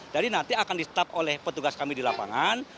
jadi nanti akan di stap oleh petugas kami di lapangan